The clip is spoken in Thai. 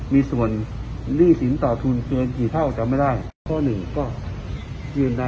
มีส่วนหนี้สินต่อทุนเกินกี่เท่าจำไม่ได้ข้อหนึ่งก็ยืนยัน